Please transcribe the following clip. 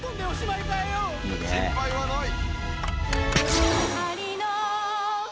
心配はない。